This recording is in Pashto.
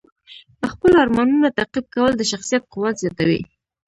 خپل ارمانونه تعقیب کول د شخصیت قوت زیاتوي.